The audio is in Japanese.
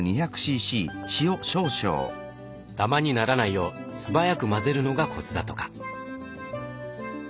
ダマにならないよう素早く混ぜるのがコツだとか。